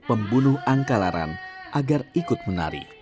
pembunuh angka laran agar ikut menari